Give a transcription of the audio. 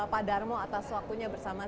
pak darmo atas waktunya bersama